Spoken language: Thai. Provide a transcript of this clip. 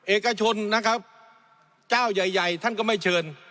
เอกชนนะครับเจ้าใหญ่ใหญ่ท่านก็ไม่เชิญ